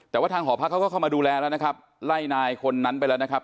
แต่ว่าทางหอพักเขาก็เข้ามาดูแลแล้วนะครับไล่นายคนนั้นไปแล้วนะครับ